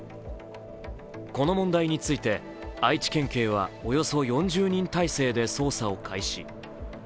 この問題について愛知県警はおよそ４０人態勢で捜査を開始。